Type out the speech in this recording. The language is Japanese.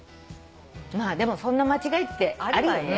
まあでもそんな間違いってあるよね。